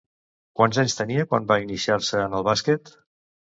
Quants anys tenia quan va iniciar-se en el bàsquet?